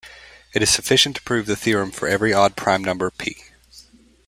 It is sufficient to prove the theorem for every odd prime number "p".